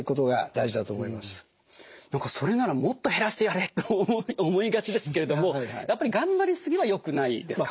何かそれならもっと減らしてやれって思いがちですけれどもやっぱり頑張り過ぎはよくないですか？